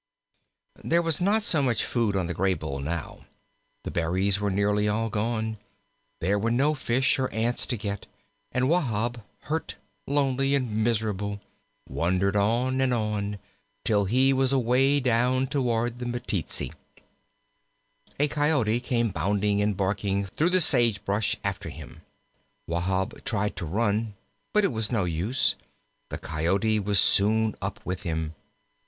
There was not much food on the Graybull now. The berries were nearly all gone; there were no fish or ants to get, and Wahb, hurt, lonely, and miserable, wandered on and on, till he was away down toward the Meteetsee. A Coyote came bounding and barking through the sage brush after him. Wahb tried to run, but it was no use; the Coyote was soon up with him.